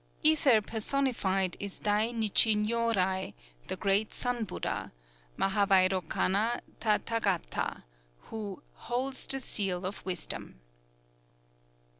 Ether personified is Dai Nichi Nyōrai, the "Great Sun Buddha" (Mahâvairokana Tathâgata), who "holds the seal of Wisdom."